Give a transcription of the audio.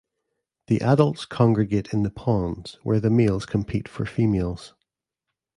The adults congregate in the ponds, where the males compete for females.